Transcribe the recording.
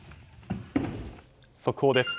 速報です。